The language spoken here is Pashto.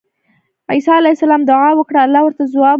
عيسی عليه السلام دعاء وکړه، الله ورته ځواب ورکړ